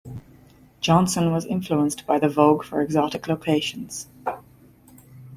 Johnson was influenced by the vogue for exotic locations.